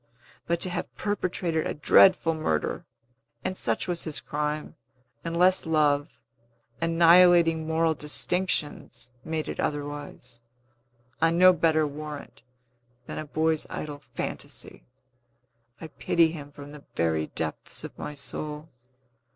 But to have perpetrated a dreadful murder (and such was his crime, unless love, annihilating moral distinctions, made it otherwise) on no better warrant than a boy's idle fantasy! I pity him from the very depths of my soul!